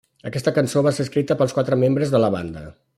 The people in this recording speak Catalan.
Aquesta cançó va ser escrita pels quatre membres de la banda.